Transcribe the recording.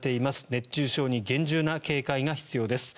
熱中症に厳重な警戒が必要です。